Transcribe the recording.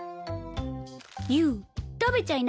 ユー食べちゃいなよ。